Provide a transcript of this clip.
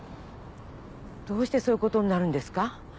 どうしてそういうことになるんですか？